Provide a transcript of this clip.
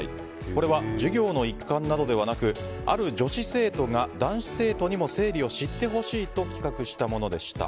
これは授業の一環などではなくある女子生徒が男子生徒にも生理を知ってほしいと企画したものでした。